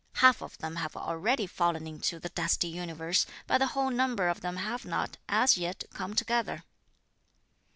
Half of them have already fallen into the dusty universe, but the whole number of them have not, as yet, come together."